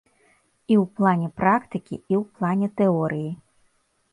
І ў плане практыкі, і ў плане тэорыі.